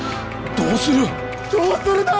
どうするだぁ！？